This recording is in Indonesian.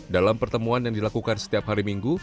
dalam pertemuan yang dilakukan setiap hari minggu